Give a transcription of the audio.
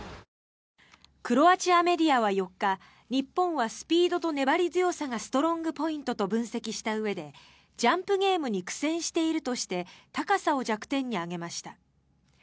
クロアチアメディアは４日日本はスピードと粘り強さがストロングポイントと分析したうえでジャンプゲームに苦戦しているとして高さを弱点に挙げました。